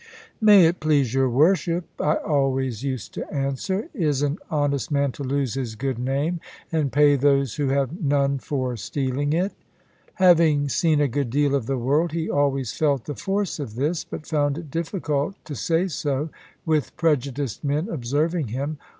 "May it please your worship," I always used to answer, "is an honest man to lose his good name, and pay those who have none for stealing it?" Having seen a good deal of the world, he always felt the force of this, but found it difficult to say so with prejudiced men observing him.